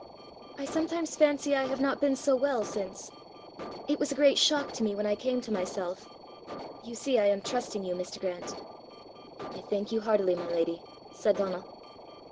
"I sometimes fancy I have not been so well since. It was a great shock to me when I came to myself: you see I am trusting you, Mr. Grant!" "I thank you heartily, my lady," said Donal.